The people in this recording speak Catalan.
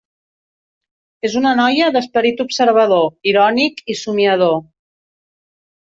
És una noia d'esperit observador, irònic i somiador.